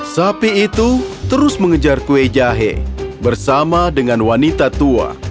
sapi itu terus mengejar kue jahe bersama dengan wanita tua